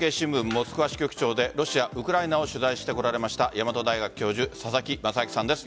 モスクワ支局長でロシア・ウクライナを取材してこられました大和大学教授佐々木正明さんです。